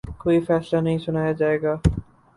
کوئی فیصلہ نہیں سنایا جائے گا